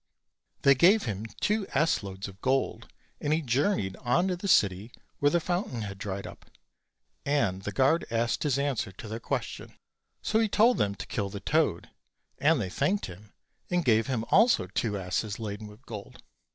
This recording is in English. Thej 70 OLD, OLD FAIRY TALES. gave him two ass loads of gold; and he journeyed on to the city where the fountain had dried up, and the guard asked his answer to their question. So he told them to kill the toad; and they thanked him, and gave him also two asses laden with gold.